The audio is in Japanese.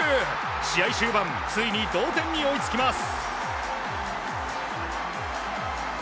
試合終盤ついに同点に追いつきます。